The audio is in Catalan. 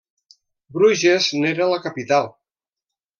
Bruges n'era la capital.